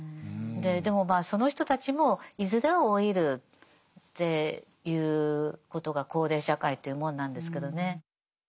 でもまあその人たちもいずれは老いるっていうことが高齢社会というもんなんですけどね。